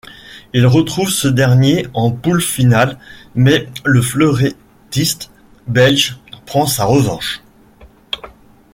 Il retrouve ce dernier en poule finale, mais le fleurettiste belge prend sa revanche.